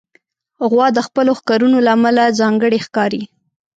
غوا د خپلو ښکرونو له امله ځانګړې ښکاري.